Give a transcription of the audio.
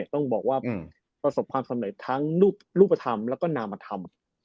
ต้องบอกว่าประสบความสำเร็จทั้งรูปธรรมแล้วก็นามธรรม